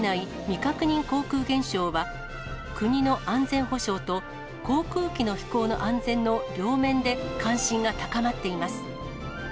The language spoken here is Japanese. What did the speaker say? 未確認航空現象は、国の安全保障と航空機の飛行の安全の両面で、関心が高まっています。